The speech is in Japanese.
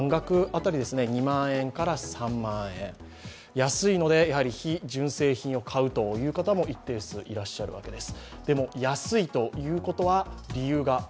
安いのでやはり非純正品を買うという方も、一定数いらっしゃるわけです。